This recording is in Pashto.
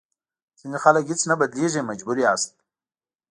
ځینې خلک هېڅ نه بدلېږي مجبور یاست.